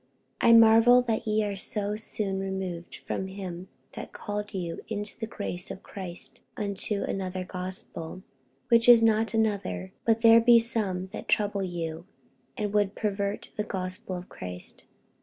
48:001:006 I marvel that ye are so soon removed from him that called you into the grace of Christ unto another gospel: 48:001:007 Which is not another; but there be some that trouble you, and would pervert the gospel of Christ.